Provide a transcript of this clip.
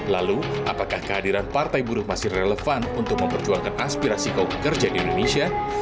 lalu apakah kehadiran partai buruh masih relevan untuk memperjuangkan aspirasi kaum pekerja di indonesia